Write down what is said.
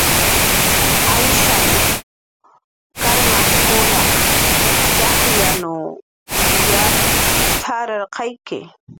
"Ayshan karmkunaq txajllanw yap t""ararqayki"